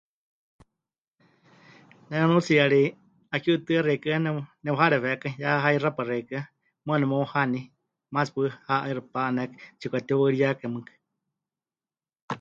Ne nunuutsiyari 'aki 'utɨa xeikɨ́a nep... nepɨharewekai, ya haixápa xeikɨ́a, muuwa nemeuhaní, maatsi paɨ ha 'aixɨ pa'anékai, tsipɨkatiwaɨriyakai mɨɨkɨ.